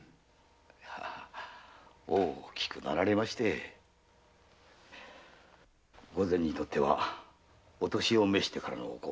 大きくなられて御前にとってはお年を召してからの子。